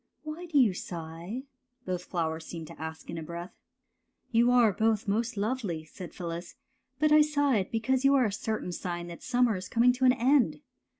" Whj do you sigh? '' both flowers seemed to ask in a breath. '' You are both most lovely/' said Phyllis, '' but I sighed because you are a certain sign that summer is coming to an end.